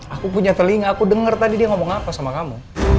aku punya telinga aku dengar tadi dia ngomong apa sama kamu